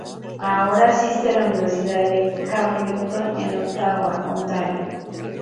Ahora asiste a la Universidad de Carleton en Ottawa, Ontario.